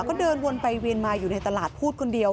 ก็เดินวนไปเวียนมาอยู่ในตลาดพูดคนเดียว